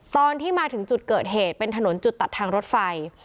ตอนที่มาถึงจุดเกิดเหตุเป็นถนนจุดตัดทางรถไฟ